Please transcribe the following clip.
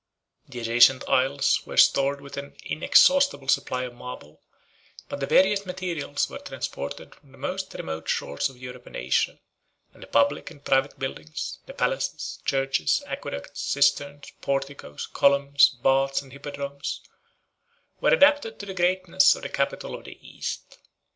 The adjacent isles were stored with an inexhaustible supply of marble; but the various materials were transported from the most remote shores of Europe and Asia; and the public and private buildings, the palaces, churches, aqueducts, cisterns, porticos, columns, baths, and hippodromes, were adapted to the greatness of the capital of the East.